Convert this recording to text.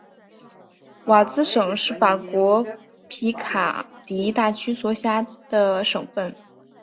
瓦兹省是法国皮卡迪大区所辖的省份。